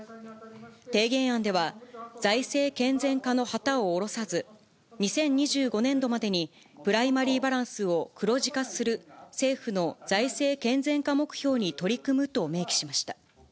提言案では、財政健全化の旗を降ろさず、２０２５年度までにプライマリーバランスを黒字化する政府の財政健全化目標に取り組むと明記しました。